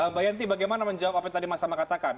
mbak yanti bagaimana menjawab apa yang tadi mas ama katakan